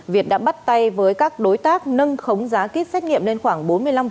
việt đã bắt tay với các đối tác nâng khống giá kýt xét nghiệm lên khoảng bốn mươi năm